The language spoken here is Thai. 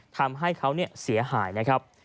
ทำให้เขาเสียหายนะครับ